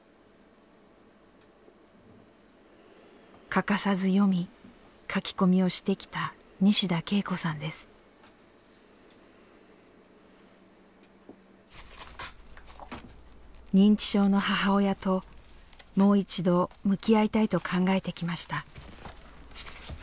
欠かさず読み書き込みをしてきた認知症の母親ともう一度向き合いたいと考えてきました。